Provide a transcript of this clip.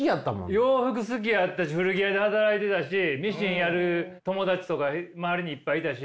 洋服好きやったし古着屋で働いてたしミシンやる友達とか周りにいっぱいいたし。